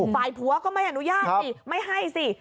ฝ่ายผัวก็ไม่อนุญาตสิไม่ให้สิ